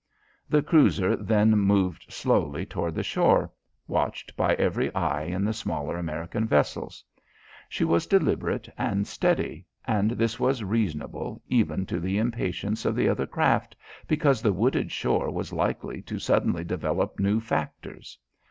The cruiser then moved slowly toward the shore, watched by every eye in the smaller American vessels. She was deliberate and steady, and this was reasonable even to the impatience of the other craft because the wooded shore was likely to suddenly develop new factors.